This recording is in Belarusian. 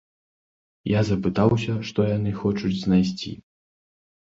Я запытаўся, што яны хочуць знайсці.